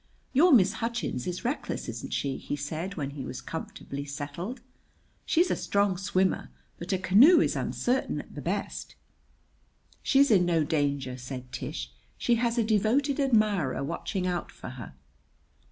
"Your Miss Hutchins is reckless, isn't she?" he said when he was comfortably settled. "She's a strong swimmer; but a canoe is uncertain at the best." "She's in no danger," said Tish. "She has a devoted admirer watching out for her."